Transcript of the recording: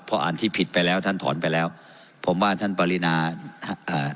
เพราะอ่านที่ผิดไปแล้วท่านถอนไปแล้วผมว่าท่านปรินาอ่า